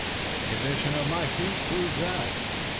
"The condition of my feet proves that."